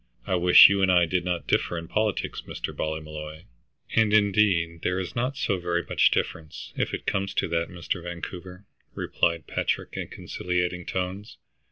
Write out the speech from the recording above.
I wish you and I did not differ in politics, Mr. Ballymolloy." "And, indeed, there is not so very much difference, if it comes to that, Mr. Vancouver," replied Patrick in conciliating tones.